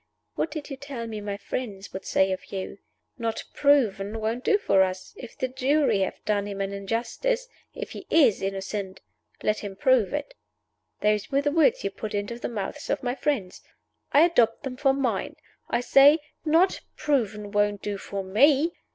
"What did you tell me my friends would say of you? 'Not Proven won't do for us. If the jury have done him an injustice if he is innocent let him prove it.' Those were the words you put into the mouths of my friends. I adopt them for mine! I say Not Proven won't do for _me.